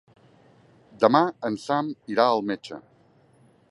Demà en Sam irà al metge.